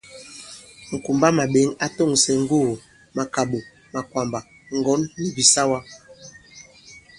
Ŋ̀kumbamàɓěŋ a tòŋsɛ ŋgugù, màkàɓò, makwàmbà, ŋgɔ̌n nì bìsawa.